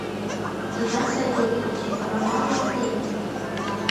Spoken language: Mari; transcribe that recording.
Иван Савельевич, Романлан теме...